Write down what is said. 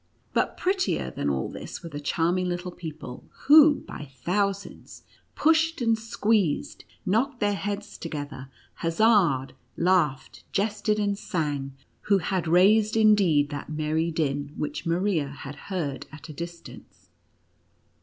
But prettier than all this were the charming little people, who, by thousands, pushed and squeezed, knocked their heads together, huzzaed, laughed, jested, and sang — who had raised indeed that merry din which Maria had heard at a distance.